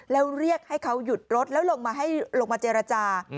แล้วเรียกให้เขาหยุดรถแล้วลงมาเจรจา